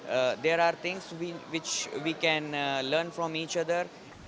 ada hal hal yang bisa kita pelajari dari satu sama lain